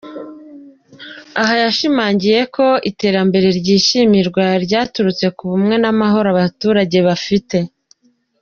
Aha yashimangiye ko iterambere ryishimirwa ryaturutse ku bumwe n’amahoro abaturage bafite.